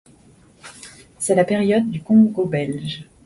C'est la période du Congo belge.